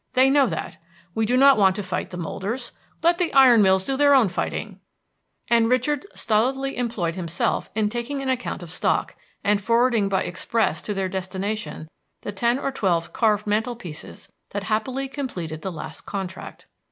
They know that. We do not want to fight the molders. Let the iron mills do their own fighting;" and Richard stolidly employed himself in taking an account of stock, and forwarding by express to their destination the ten or twelve carved mantel pieces that happily completed the last contract.